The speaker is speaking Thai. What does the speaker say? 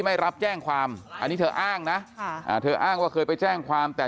ไม่รับแจ้งความอันนี้เธออ้างนะเธออ้างว่าเคยไปแจ้งความแต่